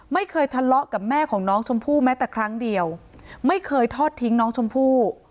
ไม่เคยทะเลาะกับแม่ของน้องชมพู่แม้แต่ครั้งเดียวไม่เคยทอดทิ้งน้องชมพู่